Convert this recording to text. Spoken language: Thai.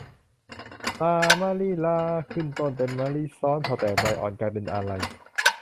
ลามะลิลา ขึ้นต้นเป็นมะลิซ้อน พอแตกใบอ่อน กลายเป็นอะไร